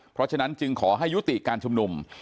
เพราะฉะนั้นจึงขอให้ยุติการชุมนุม